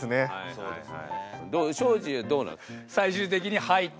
そうですね。